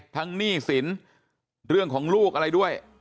หนี้สินเรื่องของลูกอะไรด้วย